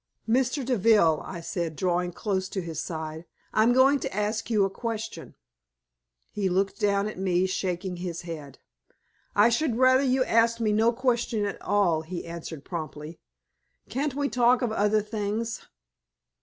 "Mr. Deville," I said, drawing close to his side, "I am going to ask you a question." He looked down at me shaking his head. "I should rather you asked me no question at all," he answered, promptly. "Can't we talk of other things?"